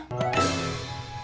nah aku mau ambil